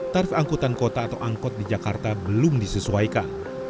tarif angkutan kota atau angkot di jakarta belum disesuaikan